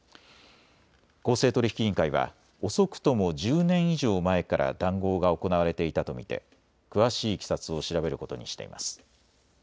公正取引委員会は遅くとも１０年以上前から談合が行われていたと見て詳しいいきさつを調べることにしています。